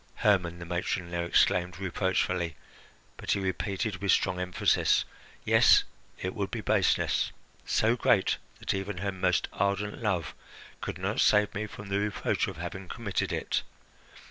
"Hermon!" the matron now exclaimed reproachfully; but he repeated with strong emphasis: "Yes, it would be baseness so great that even her most ardent love could not save me from the reproach of having committed it.